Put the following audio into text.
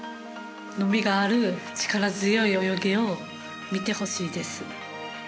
伸びがある力強い泳ぎを見てほしいです。